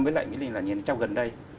với lại mỹ linh là nhìn trong gần đây